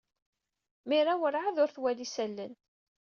Mira werɛad ur twala isalan.